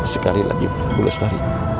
sekali lagi bu lestari